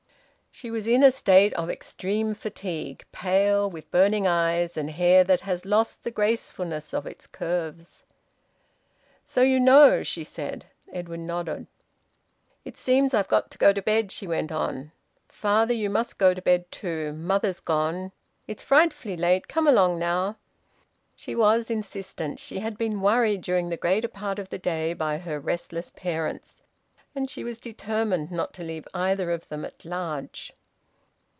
She was in a state of extreme fatigue pale, with burning eyes, and hair that has lost the gracefulness of its curves. "So you know?" she said. Edwin nodded. "It seems I've got to go to bed," she went on. "Father, you must go to bed too. Mother's gone. It's frightfully late. Come along now!" She was insistent. She had been worried during the greater part of the day by her restless parents, and she was determined not to leave either of them at large.